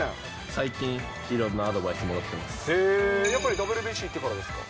最近、いろんなアドバイスもへぇ、やっぱりＷＢＣ行ってからですか。